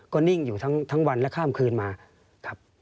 ก็นิ่งอยู่ทั้งวันและข้ามคืนมาครับ